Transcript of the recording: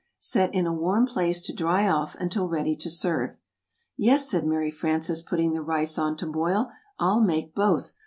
Set in a warm place to dry off, until ready to serve. "Yes," said Mary Frances, putting the rice on to boil, "I'll make both.